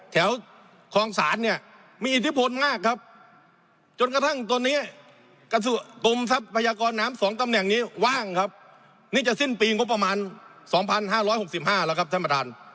ตั้งครับนี่จะสิ้นปีงบประมาณสองพันห้าร้อยหกสิบห้าแล้วครับท่านประธาน